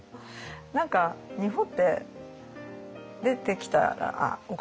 何か日本って出てきたら「あっお金